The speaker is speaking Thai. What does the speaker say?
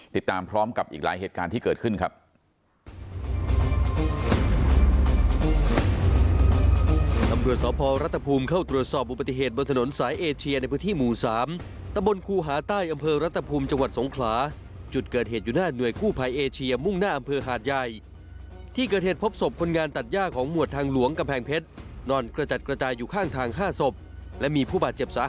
ติดตามพร้อมกับอีกหลายเหตุการณ์ที่เกิดขึ้นครับ